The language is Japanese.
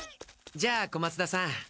じゃあ小松田さん。